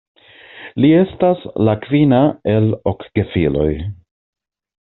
Li estas la kvina el ok gefiloj.